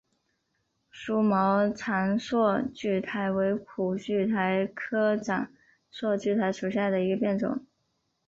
疏毛长蒴苣苔为苦苣苔科长蒴苣苔属下的一个变种。